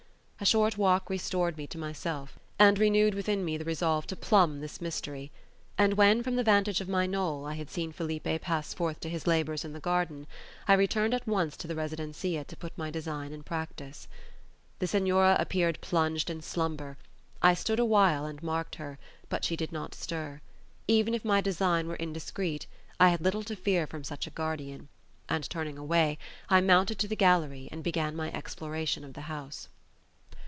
A short walk restored me to myself, and renewed within me the resolve to plumb this mystery; and when, from the vantage of my knoll, I had seen Felipe pass forth to his labours in the garden, I returned at once to the residencia to put my design in practice. The Senora appeared plunged in slumber; I stood awhile and marked her, but she did not stir; even if my design were indiscreet, I had little to fear from such a guardian; and turning away, I mounted to the gallery and began my exploration of the house.